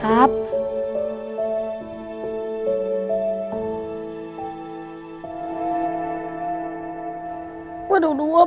ตอนอยากทำลงโรคภัยไข้เจ็บ